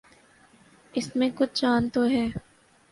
اس میں کچھ جان تو ہے۔